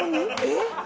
えっ！？